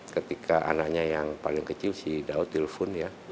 ketika anaknya yang paling kecil si daud telpon ya